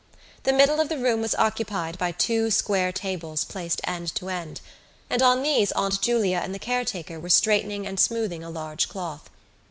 The middle of the room was occupied by two square tables placed end to end, and on these Aunt Julia and the caretaker were straightening and smoothing a large cloth.